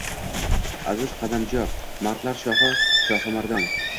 Aziz qadamjo, mardlar shohi – Shohimardon